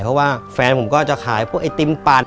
เพราะว่าแฟนผมก็จะขายพวกไอติมปัด